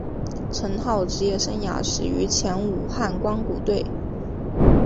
陈浩职业生涯始于前武汉光谷队。